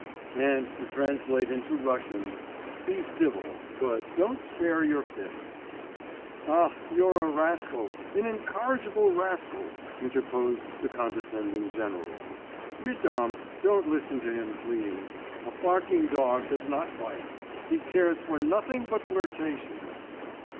And to translate into Russian: be civil but don't spare your fists.' 'Ah, you're a rascal, an incorrigible rascal,' interposed the condescending general. 'Mesdames, don't listen to him, please. A barking dog does not bite. He cares for nothing but flirtation.